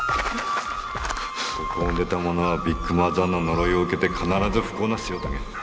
ここを出た者はビッグマザーの呪いを受けて必ず不幸な死を遂げる。